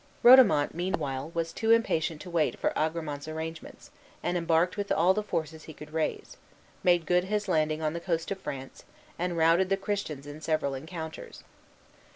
Rodomont, meanwhile, was too impatient to wait for Agramant's arrangements, and embarked with all the forces he could raise, made good his landing on the coast of France, and routed the Christians in several encounters.